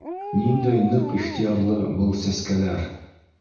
Ниндәй ныҡ ихтыярлы был сәскәләр!